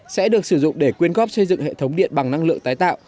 sẽ được sử dụng để quyên góp xây dựng hệ thống điện bằng năng lượng tái tạo